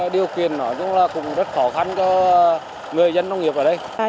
điều kiện nói chung là cũng rất khó khăn cho người dân nông nghiệp ở đây